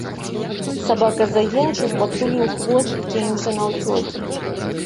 Сабака заенчыў, падтуліў хвост і кінуўся наўцёкі.